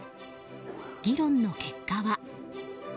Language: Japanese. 議論の結果は？